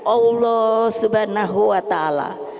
allah subhanahu wa ta'ala